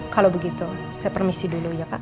kalau begitu saya permisi dulu ya pak